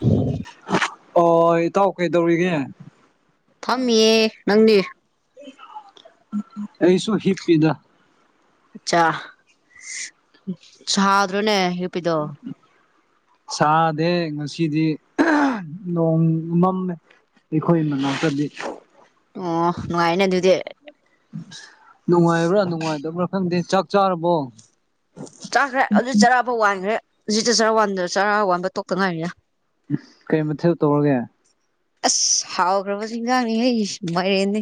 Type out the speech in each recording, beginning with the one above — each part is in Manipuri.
ꯎꯝ ꯑꯣ ꯏꯇꯥꯎ ꯀꯩꯗꯧꯔꯤꯒꯦ ꯐꯝꯃꯤꯌꯦ ꯅꯪꯗꯤ ꯑꯩꯁꯨ ꯍꯤꯞꯄꯤꯗ ꯑꯆꯥ ꯁꯥꯗ꯭ꯔꯣꯅꯦ ꯍꯤꯞꯄꯤꯗꯣ [unintelligible] ꯁꯥꯗꯦ ꯉꯁꯤꯗꯤ ꯅꯣꯡ ꯃꯝꯃꯦ ꯑꯩꯈꯣꯏ ꯃꯅꯥꯛꯇꯗꯤ ꯑꯣ ꯅꯨꯡꯉꯥꯏꯅꯦ ꯑꯗꯨꯗꯤ ꯅꯨꯡꯉꯥꯏꯕ꯭ꯔꯥ ꯅꯨꯡꯉꯥꯏꯇꯕ꯭ꯔꯥ ꯈꯪꯗꯦ ꯆꯥꯛ ꯆꯥꯔꯕꯣ ꯆꯥꯈ꯭ꯔꯦ ꯑꯗꯨ ꯆꯔꯥꯐꯥꯎ ꯋꯥꯟꯈ꯭ꯔꯦ ꯍꯧꯖꯤꯛꯗ ꯆꯔꯥ ꯋꯥꯟꯗ ꯆꯔꯥ ꯋꯥꯟꯕ ꯇꯣꯛꯇ ꯉꯥꯏꯔꯤꯌꯦ ꯀꯩ ꯃꯊꯦꯜ ꯇꯧꯔꯒꯦ ꯑꯁ ꯍꯥꯎꯈ꯭ꯔꯕ ꯏꯤꯟꯖꯥꯡꯅꯤ ꯑꯩꯩ ꯃꯥꯏꯔꯦꯟꯅꯤ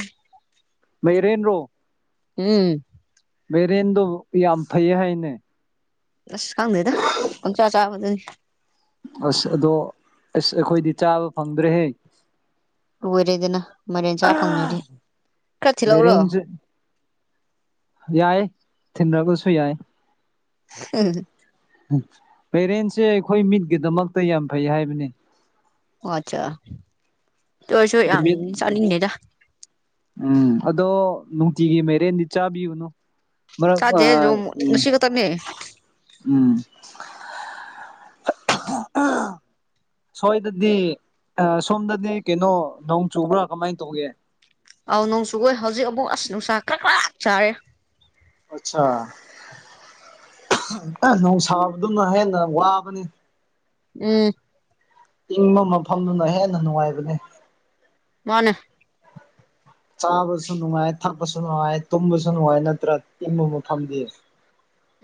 ꯃꯥꯏꯔꯦꯟꯔꯣ ꯎꯝ ꯃꯥꯏꯔꯦꯟꯗꯣ ꯌꯥꯝ ꯐꯩꯌꯦ ꯍꯥꯏꯅꯦ ꯑꯁ ꯈꯪꯗꯦꯗ ꯄꯪꯆꯥ ꯆꯥꯕꯗꯨꯅꯤ ꯑꯁ ꯑꯗꯣ ꯑꯁ ꯑꯩꯈꯣꯏꯗꯤ ꯆꯥꯕ ꯐꯪꯗ꯭ꯔꯦꯍꯦ ꯂꫭꯏꯔꯦꯗꯅ ꯃꯥꯏꯔꯦꯟ ꯆꯥ ꯐꯪꯗꯔꯗꯤ ꯈꯔ ꯊꯤꯜꯂꯛꯎꯔꯣ ꯌꯥꯏꯌꯦ ꯊꯤꯟꯔꯛꯄꯁꯨ ꯌꯥꯏ [unintelligible] ꯃꯥꯏꯔꯦꯟꯁꯦ ꯑꯩꯈꯣꯏ ꯃꯤꯠꯀꯤꯗꯃꯛꯇ ꯌꯥꯝ ꯐꯩꯌꯦ ꯍꯥꯏꯕꯅꯦ ꯑꯆꯥ [inaudible] ꯃꯤꯠ [unintelligible] ꯎꯝ ꯑꯗꯣ ꯅꯨꯡꯇꯤꯒꯤ ꯃꯥꯏꯔꯦꯟꯗꯤ ꯆꯥꯕꯤꯌꯨꯅꯨ ꯃꯥꯔꯛ ꯃꯥ ꯆꯥꯗꯦ ꯑꯗꯨ ꯎꯝ ꯉꯁꯤ ꯈꯛꯇꯪꯅꯦ ꯎꯝ ꯁꯣꯏꯗꯗꯤ ꯁꯣꯝꯗꯗꯤ ꯀꯩꯅꯣ ꯅꯣꯡ ꯆꯨꯕ꯭ꯔꯥ ꯀꯃꯥꯏꯅ ꯇꯧꯒꯦ ꯑꯧ ꯅꯣꯡꯆꯨꯌꯦ ꯍꯧꯖꯤꯛ ꯑꯃꯨꯛ ꯑꯁ ꯅꯨꯡꯁꯥ ꯈꯔ ꯈꯔ ꯁꯥꯏꯌꯦ ꯑꯠꯆꯥꯥ ꯅꯣꯡ ꯁꯥꯕꯗꯨꯅ ꯍꯦꯟꯅ ꯋꯥꯕꯅꯤ ꯎꯝ [unintelligible] ꯏꯪꯕ ꯃꯐꯝꯗꯨꯅ ꯍꯦꯟꯅ ꯅꯨꯡꯉꯥꯏꯕꯅꯦ ꯃꯥꯅꯦ ꯆꯥꯕꯁꯨ ꯅꯨꯡꯉꯥꯏ ꯊꯛꯄꯁꯨ ꯅꯨꯡꯉꯥꯏ ꯇꯨꯝꯕꯁꯨ ꯅꯨꯡꯉꯥꯏ ꯅꯠꯇ꯭ꯔꯥ ꯏꯤꯡꯕ ꯃꯐꯝꯗꯤ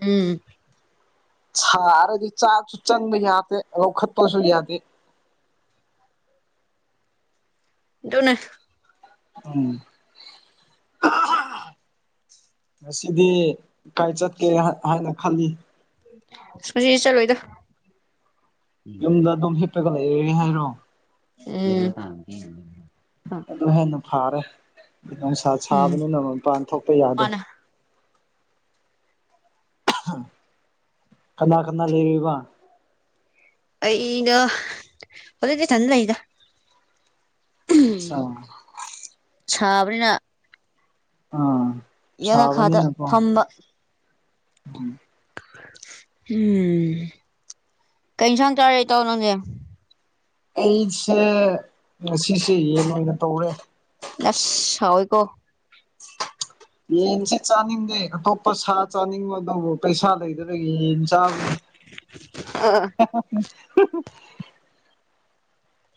ꯎꯝ [unintelligible] ꯁꯥꯔꯗꯤ ꯆꯥꯛꯁꯨ ꯆꯪꯕ ꯌꯥꯗꯦ ꯂꯧꯈꯠꯄꯁꯨ ꯌꯥꯗꯦ ꯑꯗꯨꯅꯦ ꯎꯝ ꯉꯁꯤꯗꯤ ꯀꯥꯏ ꯆꯠꯀꯦ ꯍꯥꯏꯅ ꯈꯜꯂꯤ ꯉꯁꯤ ꯆꯂꯣꯏꯗ ꯌꯨꯝꯗ ꯑꯗꯨꯝ ꯍꯤꯞꯄꯒ ꯂꯩꯔꯦ ꯍꯥꯏꯔꯣ ꯎꯝ [unintelligible] ꯑꯗꯨ ꯍꯦꯟꯅ ꯐꯥꯔꯦ ꯅꯨꯡꯁꯥ ꯎꯝ ꯁꯥꯕꯅꯤꯅ ꯃꯄꯥꯟ ꯊꯣꯛꯄ ꯌꯥꯗꯦ ꯃꯥꯅꯦ ꯀꯅꯥ ꯀꯅꯥ ꯂꯩꯔꯤꯕ ꯑꯩꯅꯒꯥ ꯃꯊꯥꯛꯇ ꯏꯊꯟꯗꯥ ꯂꯩꯗꯥ ꯑꯠꯆꯥ ꯎꯝ ꯁꯥꯕꯅꯤꯅ ꯑꯥ ꯌꯥꯅꯈꯥꯗ ꯁꯥꯕꯅꯤꯅꯀꯣ ꯐꯝꯕ ꯎꯝ ꯎꯝ ꯀꯩꯏꯟꯁꯥꯡ ꯆꯥꯔꯦ ꯏꯇꯥꯎ ꯅꯪꯗꯤ ꯑꯩꯁꯦ ꯉꯁꯤꯁꯦ ꯌꯦꯟ ꯑꯣꯏꯅ ꯇꯧꯔꯦ ꯑꯁ ꯍꯥꯎꯋꯦꯀꯣ ꯌꯦꯟꯁ ꯆꯥꯅꯤꯡꯗꯦ ꯑꯇꯣꯞꯄ ꯁꯥ ꯆꯥꯅꯤꯡꯕ ꯑꯗꯨꯕꯨ ꯄꯩꯁꯥ ꯂꯩꯗꯕꯒꯤ ꯌꯦꯟ ꯆꯥꯕꯅꯦ ꯑꯥ [unintelligible] [unintelligible]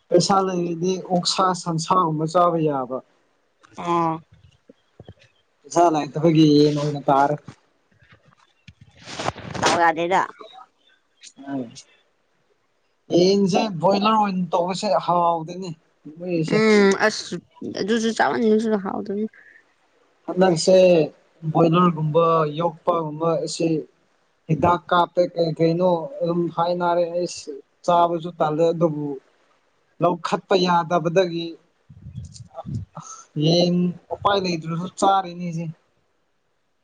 ꯄꯩꯁꯥ ꯂꯩꯔꯗꯤ ꯑꯣꯛꯁꯥ ꯁꯟꯁꯥꯒꯨꯝꯕ ꯆꯥꯕ ꯌꯥꯕ ꯑꫭ ꯄꯩꯁꯥ ꯂꯩꯇꯕꯒꯤ ꯌꯦꯟ ꯑꯣꯏꯅ ꯇꯥꯔꯦ ꯗꯥꯎ ꯌꯥꯗꯦꯗ ꯎꯝ ꯌꯦꯟꯁꯦ ꯕꯣꯏꯂꯔ ꯑꯣꯏꯅ ꯇꯧꯕꯁꯦ ꯍꯥꯎꯗꯣꯏꯅꯤ ꯃꯣꯏꯁꯦ ꯎꯝ ꯑꯁ ꯑꯗꯨꯁꯨ ꯆꯥꯃꯥꯟꯅꯁꯨ ꯍꯥꯎꯇꯥꯕꯅꯤ ꯍꯟꯗꯛꯁꯦ ꯕꯣꯏꯂꯔꯒꯨꯝꯕ ꯌꯣꯛꯄꯒꯨꯝꯕ ꯁꯤ ꯍꯤꯗꯥꯛ ꯀꯥꯄꯦ ꯀꯩ ꯀꯩꯅꯣ ꯑꯗꯨꯝ ꯍꯥꯏꯅꯔꯦ ꯑꯩꯁ ꯆꯥꯕꯁꯨ ꯇꯜꯂꯦ ꯑꯗꯨꯕꯨ ꯂꯧꯈꯠꯄ ꯌꯥꯗꯕꯗꯒꯤ ꯌꯦ ꯎꯄꯥꯏ ꯂꯩꯇꯔꯁꯨ ꯆꯥꯔꯤꯅꯤꯁ‌ꯦ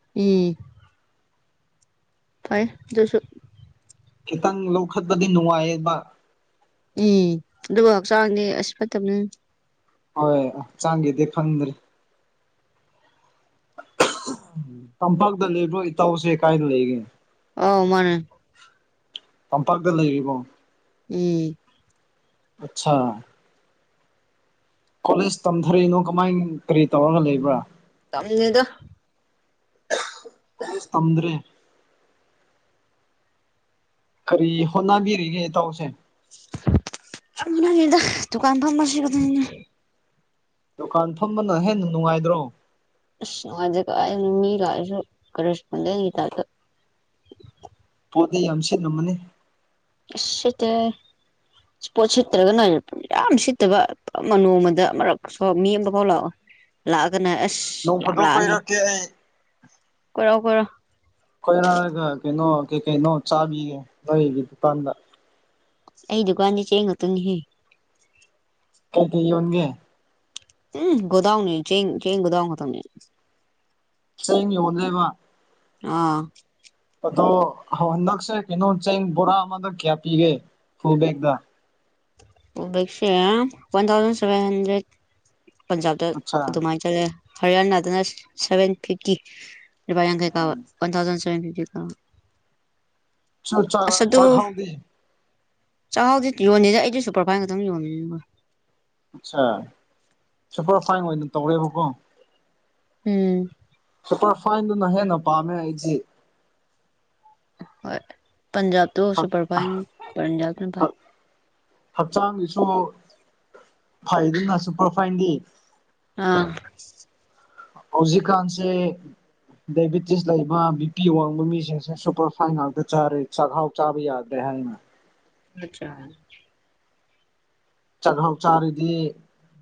[unintelligible] ꯐꯩ ꯗꯨꯁꯨ ꯈꯤꯇꯪ ꯂꯧꯈꯠꯄꯗꯤ ꯅꯨꯡꯉꯥꯏꯌꯦꯕ ꯎꯝ ꯑꯗꯨꯒ ꯍꯛꯆꯥꯡꯗꯤ ꯑꯁ ꯐꯠꯇꯕꯅꯤ ꯍꯣꯏ ꯍꯛꯆꯥꯡꯒꯤꯗꯤ ꯈꯪꯗ꯭ꯔꯦ ꯇꯝꯄꯥꯛꯇ ꯂꯩꯕ꯭ꯔꯣ ꯏꯇꯧꯁꯦ ꯀꯥꯏꯗ ꯂꯩꯒꯦ ꯑꯧ ꯃꯥꯅꯦ ꯇꯝꯄꯥꯛꯇ ꯂꯩꯔꯤꯕꫭ ꯎꯝ ꯑꯠꯁꯥ ꯀꯣꯂꯦꯖ ꯇꯝꯊꯥꯔꯤꯅꯣ ꯀꯃꯥꯏ ꯀꯔꯤ ꯇꯧꯔꯒ ꯂꯩꯕ꯭ꯔꯥ ꯇꯝꯗ‌ꯦꯗ ꯀꫭꯂ‌ꯦꯁ ꯊꯝꯗ꯭ꯔꯦ ꯀꯔꯤ ꯍꯣꯠꯅꯕꯤꯔꯤꯒꯦ ꯏꯇꯧꯁꯦ ꯗ ꯇꯨ ꯀꯥꯟꯐꯥꯝ ꯃꯥꯁꯤ ꯀꯗ [unintelligible] ꯗꯨꯀꯥꯟ ꯐꯝꯕꯅ ꯍꯦꯟꯅ ꯅꯨꯡꯉꯥꯏꯗ꯭ꯔꯣ ꯑꯁ ꯅꯨꯉꯥꯏꯇ‌ꯦ ꯑ [unintelligible] ꯃꯤꯂ ꯍꯥꯏꯁꯨ ꯀ ꯔꯦꯁꯄꯗ ꯇꯥꯞꯗꯇ ꯄꯣꯠꯇꯤ ꯌꯥꯝ ꯁꯤꯠꯂꯝꯝꯃꯅꯤ ꯏꯁ ꯁꯤꯠꯇ‌ꯦ ꯄꯣꯠ ꯁꯤꯠꯇ꯭ꯔꯒ ꯌꯥꯝ ꯁꯤꯠꯇꯕ ꯅꯣꯡꯃꯗ ꯃꯔꯛ ꯁꯣ ꯃꯤ ꯑꯃꯐꯥꯎ ꯂꯥꯛꯑꯣ ꯂꯥꯛꯑꯒꯅ ꯑꯁ ꯅꯣꯡ ꯌꯥꯝ ꯐꯥꯗꯣꯛ ꯂꯥꯛꯑꯅꯤ ꯀꯣꯏꯔꯛꯀꯦ ꯑꯩ ꯀꯣꯔꯣꯑꫭ ꯀꯣꯔꯣꯑꫭ ꯀꫭꯏꯔꯥꯛꯑꯔꯒ ꯀꯩꯅꯣ ꯀꯩ ꯀꯩꯅꯣ ꯆꯥꯕꯤꯌꯦ ꯅꯣꯏꯒꯤ ꯗꯨꯀꯥꯟꯗ ꯑꯩ ꯗꯨꯀꯥꯟꯗꯤ ꯆꯦꯡ ꯈꯛꯇꯅꯤꯍꯦ ꯀꯩ ꯀꯩ ꯌꯣꯟꯒꯦ ꯎꯝ ꯒꫭꯗꯥꯎꯟꯅꯤ ꯆꯦꯡ ꯆꯦꯡ ꯒꫭꯗꯥꯎꯟ ꯈꯛꯇꯪꯅ‌ ꯆꯦꯡ ꯌꯣꯟꯂꯦꯕ ꯑꯥ ꯑꯗꯣ ꯍꯟꯗꯛꯁꯦ ꯀꯩꯅꯣ ꯆꯦꯡ ꯕꯣꯔꯥ ꯑꯃꯗꯛ ꯀꯌꯥ ꯄꯤꯒꯦ ꯐꯨꯜ ꯕꯦꯛꯗ ꯐꯨꯜ ꯕꯦꯛꯁꯦ ꯋꯥꯟ ꯊꯥꯎꯖꯟ ꯁꯚꯦꯟ ꯍꯟꯗ꯭ꯔꯦꯠ ꯄꯟꯖꯥꯕꯇ ꯑꯠꯆꯥ ꯑꯗꯨꯃꯥꯏꯅ ꯆꯠꯂꯦ ꯍꯔꯤꯌꯥꯅꯥꯗꯅ ꯁꯚꯦꯟ ꯐꯤꯐꯇꯤ ꯂꯨꯄꯥ ꯌꯥꯡꯈꯩ ꯀꯥꯕ ꯋꯥꯟ ꯊꯥꯎꯖꯟ ꯁꯚꯦꯟ ꯐꯤꯐꯇꯤ ꯀꯥꯕ ꯆ ꯆꯥ ꯑꯁ ꯑꯗꯨ ꯆꯥꯛꯍꯥꯎꯗꯤ ꯆꯥꯛꯍꯥꯎꯗꯤ ꯌꯣꯟꯅꯤꯗ ꯑꯩꯗꯤ ꯁꯨꯄꯔꯐꯥꯏꯅ ꯈꯛꯇꯪ ꯌꯣꯟꯅꯤ [unintelligible] ꯑꯠꯁꯥ ꯁꯨꯄꯔ ꯐꯥꯏꯟ ꯑꯣꯏꯅ ꯇꯧꯔꯦꯕꯀꯣ ꯎꯝ ꯁꯨꯄꯔ ꯐꯥꯏꯟꯗꯨꯅ ꯍꯦꯟꯅ ꯄꯥꯝꯃꯦ ꯑꯩꯁꯤ ꯍꯣꯏ ꯄꯟꯖꯥꯞꯇꫭ ꯁꯨꯄꯔ ꯐꯥꯟ ꯄꯥꯅ ꯄ [unintelligible] ꯍꯛꯆꯥꯡꯒꯤꯁꯨ ꯐꯩꯗꯤꯅ ꯁꯨꯄꯔ ꯐꯥꯏꯟꯗꯤ ꯑꯥ ꯍꯧꯖꯤꯛ ꯀꯥꯟꯁꯦ ꯗꯥꯏꯕꯤꯦꯇꯤꯁ ꯂꯩꯕ ꯕꯤ ꯄꯤ ꯋꯥꯡꯕ ꯃꯤꯁꯤꯡꯁꯦ ꯁꯨꯄꯔ ꯐꯥꯏꯟ ꯉꯥꯛꯇ ꯆꯥꯔꯦ ꯆꯥꯛꯍꯥꯎ ꯆꯥꯕꯤ ꯌꯥꯗꯔ‌ꯦ ꯍꯥꯏꯅ ꯑꯆꯥ [unintelligible] ꯆꯥꯛꯍꯥꯎ ꯆꯥꯔꯗꯤ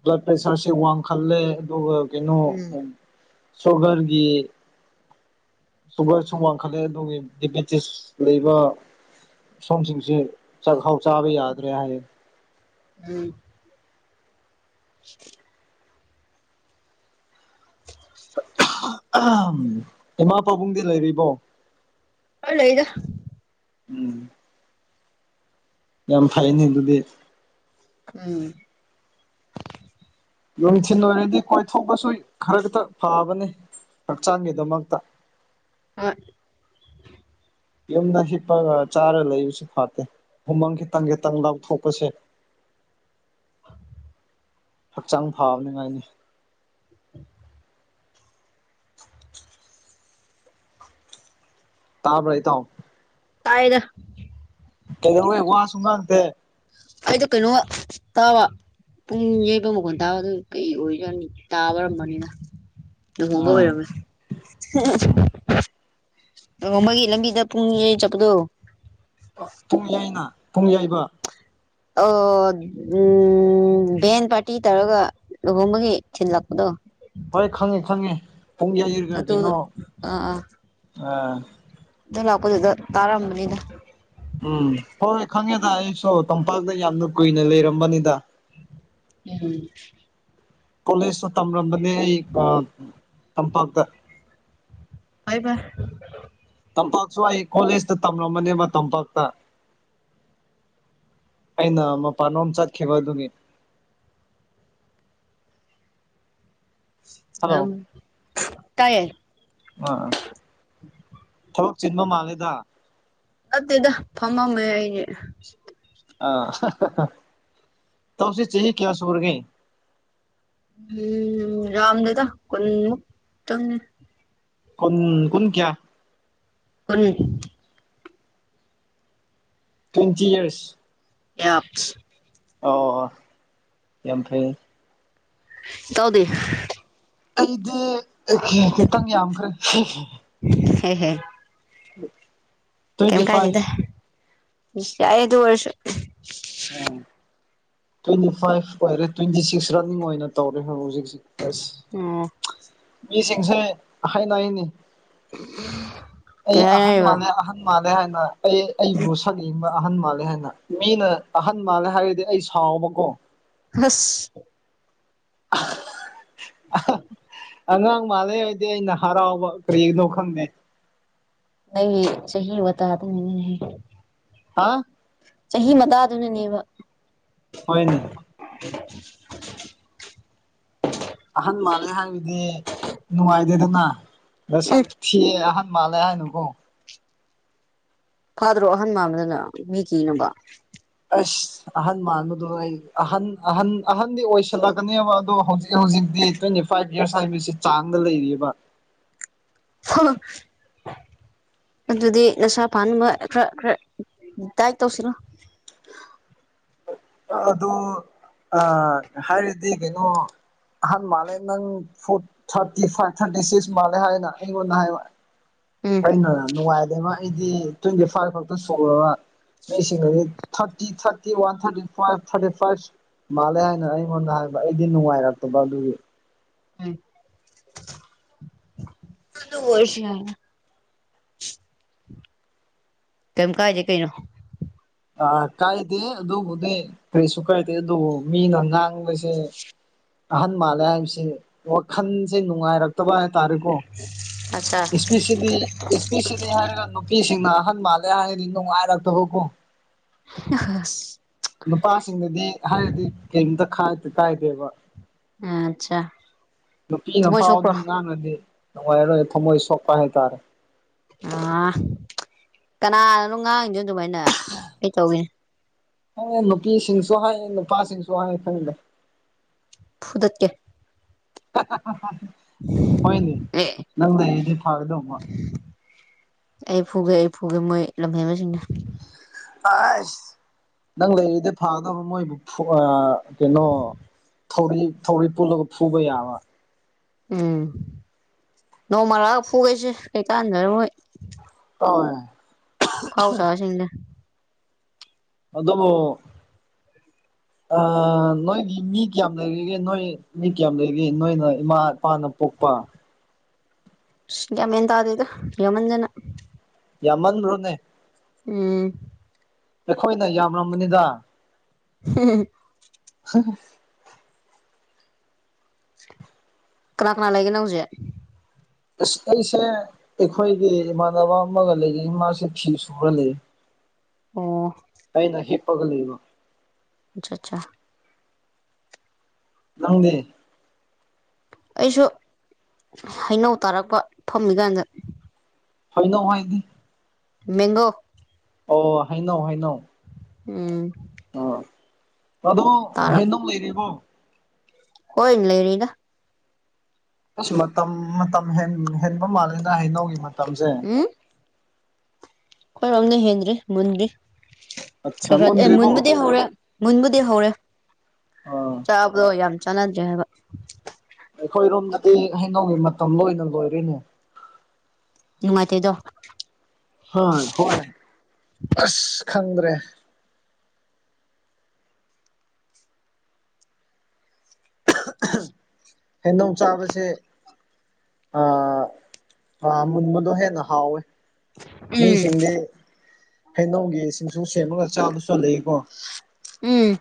ꯕ꯭ꯂꯠ ꯄ꯭ꯔꯦꯁꯔꯁ‌ꯦ ꯋꯥꯡꯈꯜꯂꯦ ꯑꯗꯨꯒ ꯀꯩꯅꯣ ꯎꯝ ꯁꯨꯒꯔꯒꯤ ꯁꯨꯒꯔꯁꯨ ꯋꯥꯡꯈꯠꯂꯦ ꯑꯗꯨꯒꯤ ꯗꯦꯕꯤꯇꯤꯁ ꯂꯩꯕ ꯁꯣꯝꯁꯤꯡꯁꯦ ꯆꯥꯛꯈꯥꯎ ꯆꯥꯕ ꯌꯥꯗ꯭ꯔꯦ ꯍꯥꯏꯌꯦ ꯎꯝ [unintelligible] ꯏꯃꯥ ꯄꯥꯕꯨꯡꯗꯤ ꯂꯩꯔꯤꯕꯣ ꯂꯩꯗ ꯎꯝ ꯌꯥꯝ ꯐꯩꯅꯤ ꯑꯗꯨꯗꯤ ꯎꯝ ꯌꯅꯨꯡꯊꯤꯟ ꯑꯣꯏꯔꯗꯤ ꯀꯣꯏꯊꯣꯛꯄꯁꯨ ꯈꯔ ꯈꯛꯇ ꯐꯕꯅꯤ ꯍꯛꯆꯥꯡꯒꯤꯗꯃꯛꯇ ꯑ ꯌꯨꯝꯗ ꯍꯤꯞꯄꯒ ꯆꯥꯔ ꯂꯩꯕꯁꯨ ꯐꯠꯇꯦ ꯎꯨꯃꯪ ꯈꯤꯇꯪ ꯈꯤꯇꯪ ꯂꯥꯎꯊꯣꯛꯄꯁꯦ [unintelligible] ꯍꯛꯆꯥꯡ ꯐꯅꯤꯉꯥꯏꯅꯤ ꯇꯕ꯭ꯔꯥ ꯏꯇꯥꯎ ꯇꯥꯏꯗ ꯀꯩꯗꯧ ꯋꯥꯍ ꯁꯨꯡꯒ ꯅꯁꯦ ꯑꯩꯗ ꯀꯩꯅꯣ ꯇꯥꯕ ꯄꯨꯡ ꯌꯩꯕ ꯃꯈꯟ ꯇꯥꯕ ꯑꯗꯨ ꯀꯩ ꯑꯣꯏꯔꯅꯤ ꯇꯥꯕꯔꯝꯕꯅꯤꯅ ꯎ ꯑꯥ ꯍꯣꯡꯕꯔꯝꯃꯦ ꯎꯝ ꯑꯃꯒꯤꯒꯤ ꯂꯝꯕꯤꯗ ꯄꯨꯡ ꯆꯠꯄꯗꯣ ꯄꯨꯡꯌꯥꯏꯅ ꯄꯨꯡꯌꯩꯕ ꯑꯣ ꯎꯝ ꯚꯦꯟ ꯄꯥꯔꯇꯤ ꯇꯧꯔꯒ ꯂꯨꯍꯣꯡꯕꯒꯤ ꯊꯤꯜꯂꯛꯄꯗꯣ ꯍꯣꯏ ꯈꯪꯉꯤ ꯈꯪꯉꯤ ꯄꯨꯡ ꯎꯝ ꯌꯩꯔꯒ ꯑꯗꯨꯗꯣ ꯀꯩꯅꯣ ꯑꯥ ꯑꯥ ꯑꯗꯨ ꯂꯥꯛꯄꯗꯨꯗ ꯇꯥꯔꯝꯕꯅꯤꯅ ꯎꯝ ꯍꯣꯏ ꯍꯣꯏ ꯈꯪꯉꯦꯗ ꯑꯩꯁꯨ ꯇꯝꯄꯥꯛꯇ ꯌꯥꯝꯅ ꯀꯨꯏꯅ ꯂꯩꯔꯝꯕꯅꯤꯗ ꯎꯝꯝ ꯀꯣꯂꯦꯖꯇ ꯇꯝꯂꯝꯝꯕꯅꯦ ꯑꯩ ꯇꯝꯄꯥꯛꯇ ꯑꯏꯕ ꯇꯝꯄꯥꯛꯁꯨ ꯑꯩ ꯀꯣꯂꯦꯖꯇ ꯇꯝꯂꯝꯃꯅꯦꯕ ꯇꯝꯄꯥꯛꯇ ꯀꯩꯅ ꯃ ꯄꯟꯣꯝ ꯆ ꯈꯦꯕ ꯑꯗꯨꯃꯤꯃꯤ ꯑ ꯍꯜꯂꯣ ꯇꯥꯏꯌꯦ ꯑꯥ ꯊꯕꯛ ꯆꯤꯟꯕ ꯃꯥꯜꯂꯦꯗ ꯑꯗꯦꯗ ꯐꯃꯝ ꯍꯥꯏꯅꯦ ꯑ ꯇꯁꯤ ꯆ ꯆꯍꯤꯍꯤ ꯀꯌꯥ ꯁꯨꯔꯒ ꯎꯝ ꯌꯥꯝꯝꯗꯗ ꯀꯨꯟꯃꯨꯛ ꯆꯪꯉꯦ ꯀꯣꯟ ꯀꯣꯟ ꯀꯌꯥ ꯀꯨꯟ ꯇ꯭ꯋꯦꯟꯇꯤ ꯏꯔꯁ ꯑꯦꯞꯁ ꯑꯣ ꯑꯣ ꯌꯥꯐꯩ ꯇꯧꯗꯤ ꯑꯩꯗꯤ ꯈꯤꯇꯪ ꯌꯥꯝꯈ꯭ꯔꯦ ꯍ ꯍꯣꯏ [unintelligible] ꯀꯩꯝ ꯀꯥꯏꯗꯦꯗ ꯐꯥꯏꯚ ꯌꯥ ꯑꯩ ꯑꯗꯨ ꯑꯣꯏꯔꯁꯨ ꯎꯝ ꯇ꯭ꯋꯦꯟꯇꯤ ꯐꯥꯏꯚ ꯑꯣꯏꯔꯦ ꯇ꯭ꯋꯦꯟꯇꯤ ꯁꯤꯛꯁ ꯔꯟꯅꯤꯡ ꯑꯣꯏꯅ ꯇꯧꯔꯦ ꯍꯧꯖꯤꯛ ꯍꯧꯖꯤ ꯑꯁ ꯑꯣ ꯃꯤꯁꯤꯡꯁꯦ ꯍꯥꯏꯅ ꯍꯥꯏꯅꯤ ꯑꯩ ꯀꯩ ꯑꯍꯟ ꯍꯥꯏꯅꯔꯤꯕ ꯃꯅꯦ ꯑꯍꯟ ꯑꯍꯟ ꯃꯥꯜꯂꯦ ꯍꯥꯏꯅ ꯑꯩ ꯑꯩꯕꯨ ꯁꯛ ꯌꯦꯡꯕ ꯑꯍꯟ ꯃꯥꯜꯂꯦ ꯍꯥꯏꯅ ꯃꯤꯅ ꯑꯍꯟ ꯃꯥꯜꯂꯦ ꯍꯥꯏꯔꯗꯤ ꯑꯩ ꯁꯥꯎꯕꯀꯣ ꯍꯁ ꯑꯉꯥꯡ ꯃꯥꯜꯂꯦ ꯑꯗꯤ ꯑꯩꯅ ꯍꯔꯥꯎꯕ ꯀꯔꯤꯒꯤꯅꯣ ꯈꯪꯗꯦ ꯑꯩ ꯆꯍꯤ ꯋꯥꯇꯥ ꯗꯨꯅꯦꯍꯦ ꯍꯥ ꯆꯍꯤ ꯃꯇꯥꯗꯨꯅꯅꯦꯕ ꯍꯣꯏꯅꯦ [unintelligible] ꯑꯍꯟ ꯃꯥꯜꯂꯦ ꯍꯥꯏꯕꯗꯤ ꯅꯨꯡꯉꯥꯏꯇꯦꯗꯅ ꯅꯁꯛ ꯎꯝ ꯊꯤꯌꯦ ꯑꯍꯟ ꯃꯥꯜꯂꯦ ꯍꯥꯏꯅꯨꯀꯣ ꯐꯥꯗ꯭ꯔꯣ ꯑꯍꯟ ꯃꯥꯟꯕꯗꯨꯅ ꯃꯤ ꯀꯤꯅꯕ ꯑꯩꯁ ꯑꯍꯟ ꯃꯥꯟꯕꯗꯣ ꯑꯩ ꯑꯍꯟ ꯑꯍꯟ ꯑꯍꯟꯗꯤ ꯑꯣꯏꯁꯜꯂꯛꯀꯅꯦꯕ ꯑꯗꯣ ꯍꯧꯖꯤꯛ ꯍꯧꯖꯤꯛꯇꯤ ꯇ꯭ꯋꯦꯟꯇꯤ ꯐꯥꯏꯚ ꯏꯌꯥꯔꯁ ꯍꯥꯏꯕꯁꯤ ꯆꯥꯡꯗ ꯂꯩꯔꯤꯑꯦꯕ [inaudible] ꯑꯗꯨꯗꯤ ꯅꯁꯥ ꯐꯥꯅꯕ ꯈꯔ ꯈꯔ ꯗꯥꯏꯠ ꯇꯧꯁꯤꯂꯣ ꯑꯗꯣ ꯑꯥ ꯍꯥꯏꯔꯗꯤ ꯀꯩꯅꯣ ꯑꯍꯟ ꯃꯥꯜꯂꯦ ꯅꯪ four thirty five thirty six ꯃꯥꯜꯂꯦ ꯍꯥꯏꯅ ꯑꯩꯉꯣꯟꯗ ꯍꯥꯏꯕ ꯎꯝ ꯑꯩꯅ ꯅꯨꯉꯥꯏꯇꯦꯕ ꯑꯩꯗꯤ ꯇ꯭ꯋꯦꯟꯇꯤ ꯐꯥꯏꯚ ꯈꯛꯇ ꯁꯣꯛꯂꯒ ꯃꯤꯁꯤꯡ ꯑꯗꯨꯗꯤ thirty thirty one thirty five thirty five ꯃꯥꯜꯂꯦ ꯍꯥꯏꯅ ꯑꯩꯉꯣꯟꯗ ꯍꯥꯏꯕ ꯑꯩꯗꯤ ꯅꯨꯡꯉꯥꯏꯔꯛꯇꯕ ꯑꯗꯨꯒꯤ [unintelligible] ꯑꯗꯨ ꯑꯣꯏꯁꯨ ꯌꯥꯏꯅ ꯀꯦꯝ ꯀꯥꯏꯗꯦ ꯀꯩꯅꯣ ꯑ ꯀꯥꯏꯗꯦ ꯑꯗꯨꯕꯨꯗꯤ ꯀꯔꯤꯁꯨ ꯀꯥꯏꯗꯦ ꯑꯗꯨꯕꯨ ꯃꯤꯅ ꯉꯥꯡꯕꯁꯦ ꯑꯍꯟ ꯃꯥꯜꯂꯦ ꯍꯥꯏꯕꯁꯦ ꯋꯥꯈꯜꯁꯦ ꯅꯨꯡꯉꯥꯏꯔꯛ ꯔꯛꯇꯕ ꯍꯥꯏ ꯇꯥꯔꯦꯀꯣ ꯑꯠꯆꯥ ꯏꯁꯄꯤꯁꯤꯂꯤ ꯏꯁꯄꯤꯁꯤꯂꯤ ꯍꯥꯏꯔꯒ ꯅꯨ ꯅꯨꯄꯤꯁꯤꯡꯅ ꯑꯍꯟ ꯃꯥꯜꯂꯦ ꯍꯥꯏꯔꯗꯤ ꯅꯨꯡꯉꯥꯏꯔꯛꯇꯕꯀꯣ [unintelligible] ꯅꯨꯄꯥꯁꯤꯡꯗꯗꯤ ꯍꯥꯏꯔꯗꯤ ꯀꯦꯝꯇ ꯈꯥꯏ ꯀꯥꯏꯗꯦꯕ ꯑꯥ ꯑꯥꯆꯥ ꯅꯨꯄꯤꯅꯐꯥꯎ ꯑꯗꯨꯝ ꯉꯥꯡꯉꯗꯤ ꯅꯨꯡꯉꯥꯏꯔꯔꯣꯏ ꯊꯃꯣꯏ ꯁꯣꯛꯄ ꯍꯥꯏꯇꯥꯔꯦ ꯎꯝ ꯀꯅꯥꯅꯅꯣ ꯉꯥꯡꯉꯤꯗꯣ ꯗꯨꯃꯥꯏꯅ ꯇꯧꯏꯅꯦ ꯍ ꯅꯨꯄꯤꯁꯤꯡꯁꯨ ꯍꯥꯏꯌꯦ ꯅꯨꯄꯥꯁꯤꯡꯁꯨ ꯍꯥꯏꯌꯦ ꯈꯪꯗꯦ ꯐꯨꯗꯠꯀꯦ [unintelligible] ꯍꯣꯏꯅꯦ ꯑꯦ ꯅꯪ ꯂꯩꯗꯤ ꯐꯥꯒꯗꯧꯕ ꯑꯩ ꯐꯨꯒꯦ ꯑꯩ ꯐꯨꯒꯦ ꯃꯣꯏ ꯂꯝꯍꯦꯟꯕꯥꯁꯤꯡꯗꯣ ꯑꯥꯏꯁ ꯅꯪ ꯂꯩꯔꯗꯤ ꯐꯥꯒꯗꯧꯕ ꯃꯣꯏ ꯐꯨꯋꯥ ꯀꯩꯅꯣ ꯊꯧꯔꯤ ꯊꯧꯔꯤ ꯄꯨꯜꯂꯒ ꯐꯨꯕ ꯌꯥꯕ ꯎꯝ ꯅꯣꯡꯃ ꯂꯥꯛꯂꯒ ꯐꯨꯒꯦꯁꯦ ꯀꯩꯀꯥꯟꯗ ꯃꯣꯏ ꯑꯣꯏ ꯑꯐꯥꯎ ꯁꯥꯁꯤꯡꯁꯦ ꯑꯗꯣ ꯑꯥ ꯅꯣꯏꯒꯤ ꯃꯤ ꯀꯌꯥꯝ ꯂꯩꯔꯤꯒꯦ ꯅꯣꯏ ꯃꯤ ꯀꯌꯥꯝ ꯂꯩꯒꯦ ꯅꯣꯏꯅ ꯏꯃꯥ ꯏꯄꯥꯅ ꯄꯣꯛꯄ ꯒ꯭ꯌꯥꯟ ꯃꯦꯟ ꯇꯥꯗꯦꯗ ꯌꯥꯃꯟꯗꯅ ꯌꯥꯃꯟꯕ꯭ꯔꯣꯅꯦ ꯎꯝ ꯑꯩꯈꯣꯏꯅ ꯌꯥꯝꯂꯝꯅꯅꯤꯗ [unintelligible] [unintelligible] ꯀꯅꯥ ꯀꯅꯥ ꯂꯩꯒꯅꯤ ꯅꯪ ꯍꯧꯖꯤꯛ ꯑꯁ ꯑꯩꯁꯦ ꯑꯩꯈꯣꯏꯒꯤ ꯏꯃꯥꯟꯅꯕ ꯑꯃꯒ ꯂꯩꯔꯤ ꯃꯥꯁꯦ ꯐꯤ ꯁꯨꯔ ꯂꯩ ꯑꯣ ꯑꯩꯅ ꯍꯤꯞꯄꯒ ꯂꯩꯕ ꯑꯠꯆꯥꯆꯥ ꯅꯪꯗꯤ ꯑꯩꯁꯨ ꯍꯩꯅꯧ ꯇꯥꯔꯛꯄ ꯐꯝꯃꯤꯀꯥꯟꯗ ꯍꯩꯅꯧ ꯍꯥꯏꯗꯤ ꯃꯦꯡꯒꯣ ꯑꯣ ꯍꯩꯅꯧ ꯍꯩꯅꯧ ꯎꯝ ꯑꯥ ꯑꯗꯣ ꯇꯥꯔꯛ ꯍꯩꯅꯧ ꯂꯩꯔꯤꯕꯣ ꯍꯣꯏ ꯂꯩꯔꯤꯗ ꯑꯁ ꯃꯇꯝ ꯃꯇꯝ ꯍꯦꯟꯕ ꯃꯥꯜꯂꯦꯗ ꯍꯩꯅꯧꯒꯤ ꯃꯇꯝꯁꯦ ꯎꯝ ꯈꯣꯏꯔꯣꯝꯗ ꯍꯦꯟꯗ꯭ꯔꯤ ꯃꯨꯟꯗ꯭ꯔꯤ ꯑꯠꯆꯥ ꯈꯔ ꯈ ꯑꯦ ꯃꯨꯟꯗ꯭ꯔꯤꯕꯣ ꯃꯨꯟꯕꯗꯤ ꯍꯧꯔꯦ ꯃꯨꯟꯕꯨꯗꯤ ꯍꯧꯔꯦ ꯑꯥ ꯆꯥꯕꯗꯣ ꯌꯥꯝ ꯆꯥꯟꯅꯗ꯭ꯔꯤ ꯍꯥꯏꯕ ꯑꯩꯈꯣꯏꯔꯣꯝꯗꯗꯤ ꯍꯩꯉꯧꯒꯤ ꯃꯇꯝ ꯂꯣꯏꯅ ꯂꯣꯏꯔꯤꯅꯦ ꯅꯨꯡꯉꯥꯏꯇꯦꯗꯣ ꯍꯣꯏ ꯍꯣꯏ ꯑꯁ ꯈꯪꯗ꯭ꯔꯦ ꯍꯩꯅꯧ ꯆꯥꯕꯁꯦ ꯑꯥ ꯑꯥ ꯃꯨꯟꯕꯗꯣ ꯍꯦꯟꯅ ꯍꯥꯎꯋꯦ ꯎꯝ ꯃꯤꯁꯤꯡꯗꯤ ꯍꯩꯅꯧꯒꯤ ꯁꯤꯡꯁꯨ ꯁꯦꯝꯃꯒ ꯆꯥꯕꯁꯨ ꯂꯩꯀꯣ ꯎꯝ